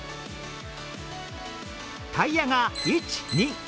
タイヤが１、２、３。